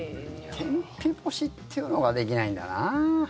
天日干しっていうのができないんだよな。